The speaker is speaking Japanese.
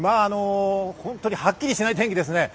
本当にはっきりしない天気ですね。